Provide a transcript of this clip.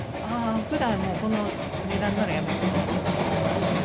ふだんもうこの値段ならやめておこうって思いますね。